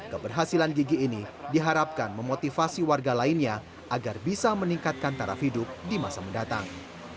keberhasilan gigi ini diharapkan memotivasi warga lainnya agar bisa meningkatkan taraf hidup di masa mendatang